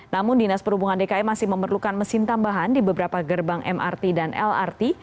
namun dinas perhubungan dki masih memerlukan mesin tambahan di beberapa gerbang mrt dan lrt